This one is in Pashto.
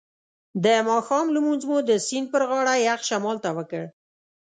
د ماښام لمونځ مو د سیند پر غاړه یخ شمال ته وکړ.